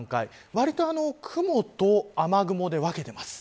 わりと雲と雨雲で分けてます。